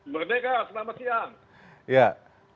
merdeka selamat siang